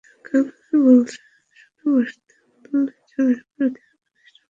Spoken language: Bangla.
তার কাগজে বলেছেন, শুধু বসত করলেই জমির ওপর অধিকার প্রতিষ্ঠা পায় না।